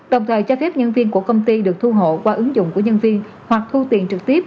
đồng thời cho phép nhân viên của công ty được thu hộ qua ứng dụng của nhân viên hoặc thu tiền trực tiếp